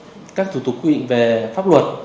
liên quan đến các thủ tục quy định về pháp luật